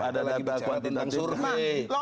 ada lagi bahagian tentang survei